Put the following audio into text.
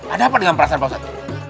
ada apa dengan perasaan pak ustadz